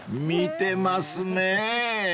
［見てますね］